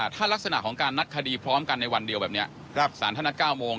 ถ้ารักษณะของการนัดคดีพร้อมกันในวันเดียวแบบนี้สารท่านนัด๙โมง